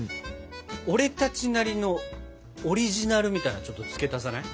俺たちなりのオリジナルみたいなのちょっと付け足さない？